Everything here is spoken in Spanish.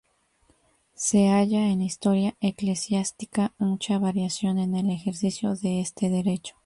Se halla en la historia eclesiástica mucha variación en el ejercicio de este derecho.